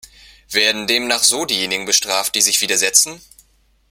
Werden demnach so diejenigen bestraft, die sich widersetzen?